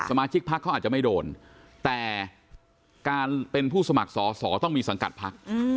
สมาชิกพักเขาอาจจะไม่โดนแต่การเป็นผู้สมัครสอสอต้องมีสังกัดพัก